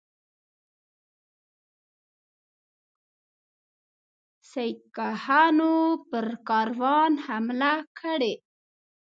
سیکهانو پر کاروان حمله کړې.